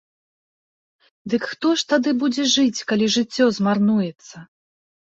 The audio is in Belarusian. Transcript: Дык хто ж тады будзе жыць, калі жыццё змарнуецца?